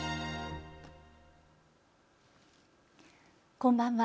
こんばんは。